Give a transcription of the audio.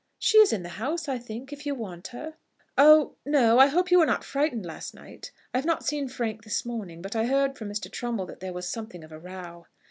"She is in the house, I think, if you want her." "Oh no. I hope you were not frightened last night. I have not seen Frank this morning; but I hear from Mr. Trumbull that there was something of a row."